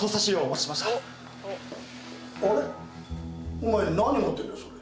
お前何持ってんだよそれ？